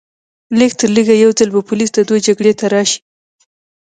لږترلږه یو ځل به پولیس د دوی جګړې ته راشي